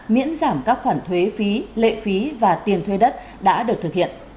miễn giảm các khoản thuế phí lệ phí và tiền thuê đất đã được thực hiện